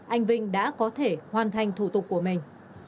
anh vinh đã có thể hoàn thành thủ tục của mình